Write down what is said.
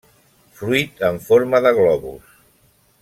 Fruit en forma de globus.